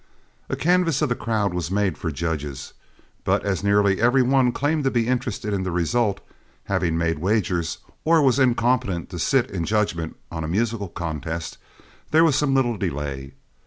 A canvass of the crowd was made for judges, but as nearly every one claimed to be interested in the result, having made wagers, or was incompetent to sit in judgment on a musical contest, there was some little delay.